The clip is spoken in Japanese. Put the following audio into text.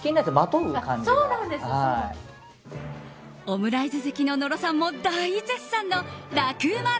オムライス好きの野呂さんも大絶賛の楽ウマ！